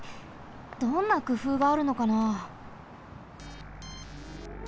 どんなくふうがあるのかな？